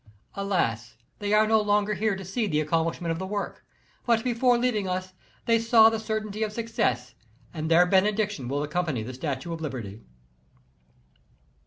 Alas! they are no longer here to see the accomplishment of the work, but, before leaving us, they saw the certainty of success, and their benediction will accompany the Statue of Liberty.